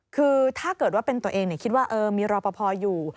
คือถ้าเกิดว่าเป็นตัวเองคิดว่ามีรอปภอยู่